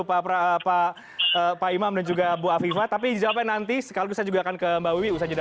pak pra papa pak imam dan juga bu afifah tapi jawab nanti sekali saya juga akan kembali usaha